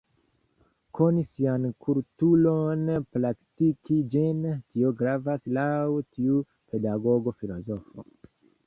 Koni sian kulturon, praktiki ĝin, tio gravas laŭ tiu pedagogo filozofo.